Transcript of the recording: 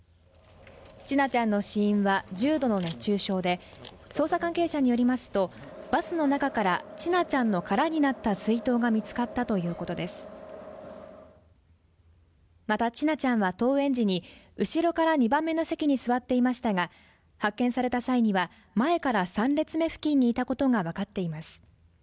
千奈ちゃんの死因は重度の熱中症で捜査関係者によりますとバスの中から千奈ちゃんの空になった水筒が見つかったということですまた千奈ちゃんは登園時に後ろから２番目の席に座っていましたが発見された際には前から３列目付近にいたことがわかっています